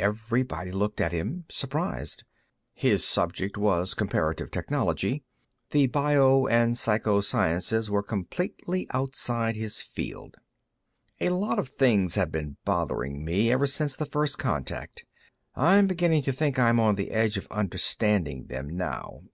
Everybody looked at him, surprised. His subject was comparative technology. The bio and psycho sciences were completely outside his field. "A lot of things have been bothering me, ever since the first contact. I'm beginning to think I'm on the edge of understanding them, now.